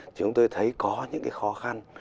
chúng tôi thấy có những cái khó khăn